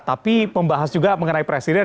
tapi membahas juga mengenai presiden